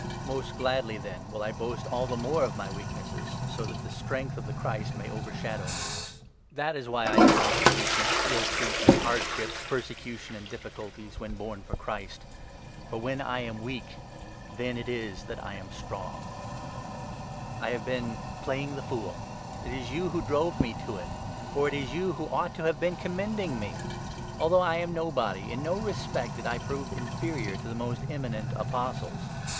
Most gladly, then, will I boast all the more of my weak nesses, so that the strength of the Christ may overshadow me. 346 II. CORINTHIANS, 12 13. That is why I delight in weakness, ill treatment, hardships, 10 persecution, and difficulties, when borne for Christ. For, when I am weak, then it is that I am strong ! VII. — CONCLUSION. A I have been " playing the fool !" It is you who n Remonstrance, drove me to it. For it is you who ought to have been commending me ! Although I am nobody, in no respect did I prove inferior to the most eminent Apostles.